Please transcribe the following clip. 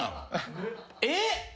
えっ！？